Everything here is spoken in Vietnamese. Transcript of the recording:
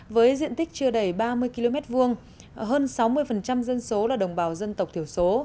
với diện tích chưa đầy ba mươi km hai hơn sáu mươi dân số là đồng bào dân tộc thiểu số